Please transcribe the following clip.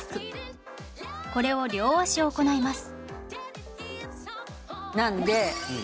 これを両脚行います